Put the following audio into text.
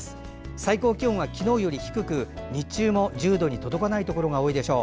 最高気温は昨日より低く日中も１０度まで届かないところが多いでしょう。